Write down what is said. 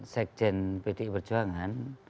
sekjen pedi perjuangan